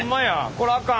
こらあかん。